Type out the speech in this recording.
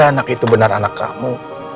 anak itu benar anak kamu